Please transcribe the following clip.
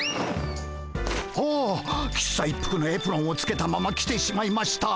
ああ喫茶一服のエプロンをつけたまま来てしまいました。